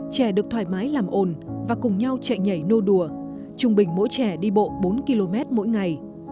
trẻ được thoải mái làm ồn và cùng nhau chạy nhảy nô đùa trung bình mỗi trẻ đi bộ bốn km mỗi ngày